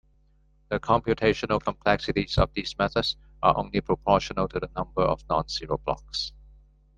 The computational complexities of these methods are only proportional to the number of non-zero blocks.